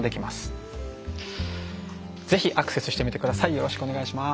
よろしくお願いします。